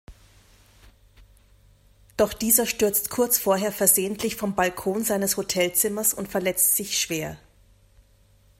Doch dieser stürzt kurz vorher versehentlich vom Balkon seines Hotelzimmers und verletzt sich schwer.